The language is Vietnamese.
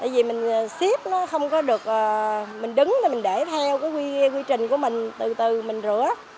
tại vì mình xếp nó không có được mình đứng thì mình để theo cái quy trình của mình từ từ mình rửa